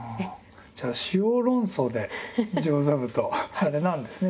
じゃあ「塩論争」で上座部とあれなんですね